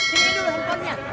sini dulu tumpengnya